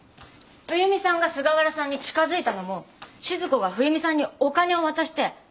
冬美さんが菅原さんに近づいたのも静子が冬美さんにお金を渡して指示していたんです。